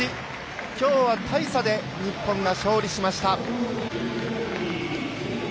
きょうは大差で日本が勝利しました。